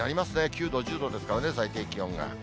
９度、１０度ですからね、最低気温が。